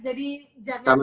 jadi jangan lupa